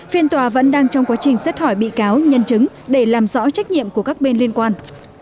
phiên tòa vẫn đang trong quá trình xét hỏi bị cáo nhân chứng để làm rõ trách nhiệm của các bên liên quan